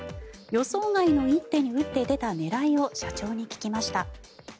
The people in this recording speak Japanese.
予想外の一手に打って出た狙いを社長に聞きました。